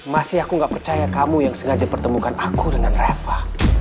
masih aku gak percaya kamu yang sengaja pertemukan aku dengan reva